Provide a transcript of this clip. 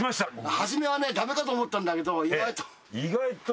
初めはねダメかと思ったんだけど意外と。